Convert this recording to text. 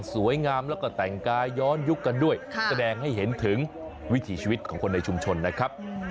แสดงให้เห็นถึงวิถีชีวิตของคนในชุมชนนะครับ